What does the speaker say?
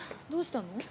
どうしたの？